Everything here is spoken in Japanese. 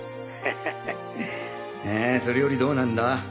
ハハハえそれよりどうなんだ？